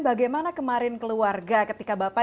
bagaimana kemarin keluarga ketika bapak